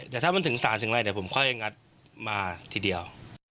แต่ถ้ามันถึงสารถึงอะไรเดี๋ยวผมค่อยงัดมาทีเดียว